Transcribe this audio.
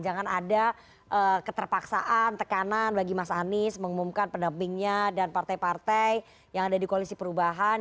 jangan ada keterpaksaan tekanan bagi mas anies mengumumkan pendampingnya dan partai partai yang ada di koalisi perubahan